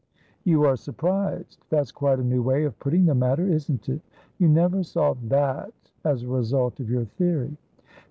You are surprised. That's quite a new way of putting the matter, isn't it? You never saw that as a result of your theory?"